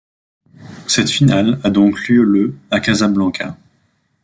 Cette finale a donc lieu le à Casablanca.